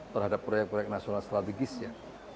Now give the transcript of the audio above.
terhadap proyek proyek nasional strategis ya